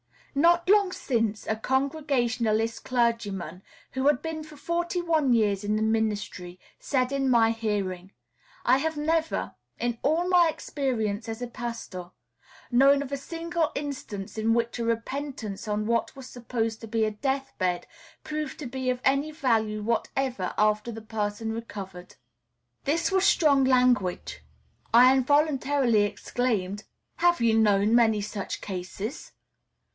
Not long since, a Congregationalist clergyman, who had been for forty one years in the ministry, said in my hearing, "I have never, in all my experience as a pastor, known of a single instance in which a repentance on what was supposed to be a death bed proved to be of any value whatever after the person recovered." This was strong language. I involuntarily exclaimed, "Have you known many such cases?"